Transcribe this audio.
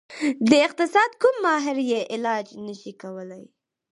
د اقتصاد کوم ماهر یې علاج نشي کولی.